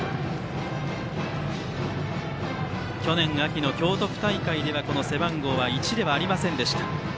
去年秋の京都府大会では背番号は１ではありませんでした。